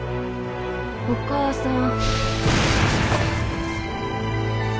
お母さん